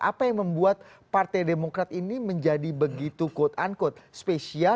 apa yang membuat partai demokrat ini menjadi begitu quote unquote spesial